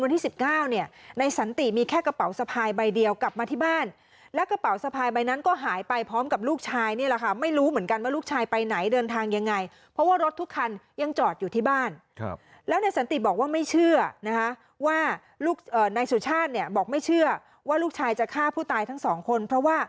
ที่๑๙เนี่ยนายสันติมีแค่กระเป๋าสะพายใบเดียวกลับมาที่บ้านและกระเป๋าสะพายใบนั้นก็หายไปพร้อมกับลูกชายนี่แหละค่ะไม่รู้เหมือนกันว่าลูกชายไปไหนเดินทางยังไงเพราะว่ารถทุกคันยังจอดอยู่ที่บ้านแล้วนายสันติบอกว่าไม่เชื่อนะคะว่าลูกนายสุชาติเนี่ยบอกไม่เชื่อว่าลูกชายจะฆ่าผู้ตายทั้งสองคนเพราะว่า